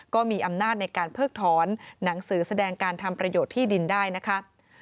ก็มีอำนาจในการเพิกถอนหนังสือแสดงการทำประโยชน์ที่ดินได้นะคะ